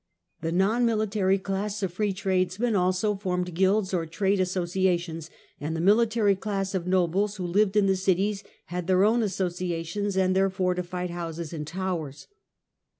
The non military class of free tradesmen also formed guilds or trade associations, and the military class of nobles who lived in the cities, had their own associa tions and their fortified houses and towers.